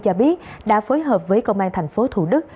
cho biết đã phối hợp với công an thành phố thủ đức